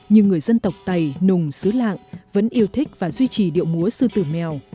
nhưng người dân tộc tày nùng xứ lạng vẫn yêu thích và duy trì điệu múa sư tử mèo